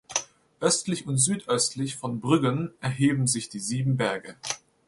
Östlich und südöstlich von Brüggen erheben sich die Sieben Berge.